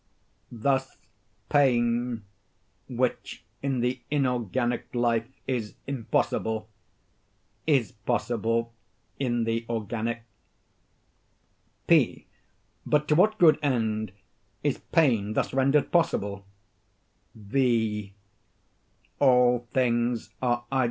Thus pain, which in the inorganic life is impossible, is possible in the organic. P. But to what good end is pain thus rendered possible? _V.